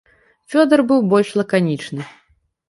Фёдар быў больш лаканічны.